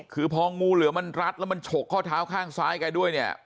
คือพองูเหลือมันรัดแล้วมันฉกข้อเท้าข้างซ้ายแกด้วยเนี่ย